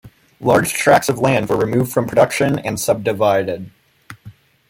Large tracts of land were removed from production and subdivided.